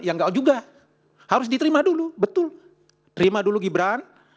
ya nggak juga harus diterima dulu betul terima dulu gibran